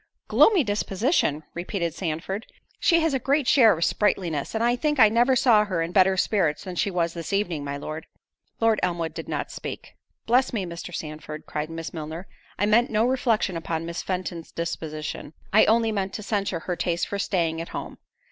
"Gloomy disposition!" repeated Sandford: "She has a great share of sprightliness—and I think I never saw her in better spirits than she was this evening, my Lord." Lord Elmwood did not speak. "Bless me, Mr. Sandford," cried Miss Milner, "I meant no reflection upon Miss Fenton's disposition; I only meant to censure her taste for staying at home."